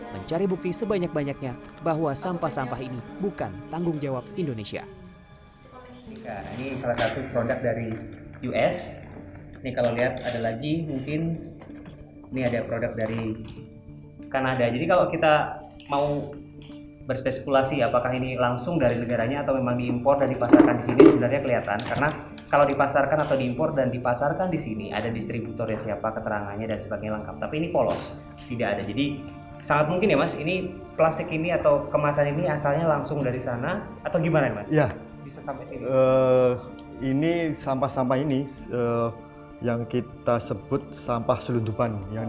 kertas bekas ini tidak hanya memiliki kertas bekas tetapi juga memiliki kertas yang berbeda